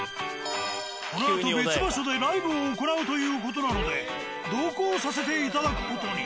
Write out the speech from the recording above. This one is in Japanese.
このあと別場所でライブを行うという事なので同行させていただく事に。